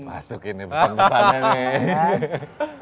masukin nih pesan pesannya nih